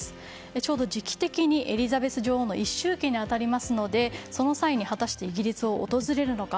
ちょうど時期的にエリザベス女王の一周忌に当たりますのでその際に果たしてイギリスを訪れるのか。